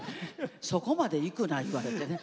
そこまでいくな、言われてね。